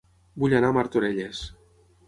Vull anar a Martorelles